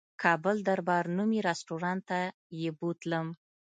کابل دربار نومي رستورانت ته یې بوتلم.